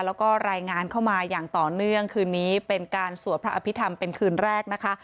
แล้วก็รายงานเข้ามาอย่างต่อเนื่องคืนนี้เป็นการสวดพระอภิษฐรรมเป็นคืนแรกนะคะ